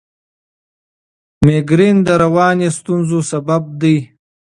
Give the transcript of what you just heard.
مېګرین د رواني ستونزو سبب دی.